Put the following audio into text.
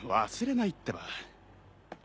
忘れないってば。